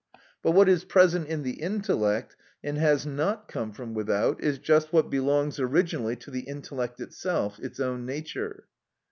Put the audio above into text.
But what is present in the intellect, and has not come from without, is just what belongs originally to the intellect itself, its own nature.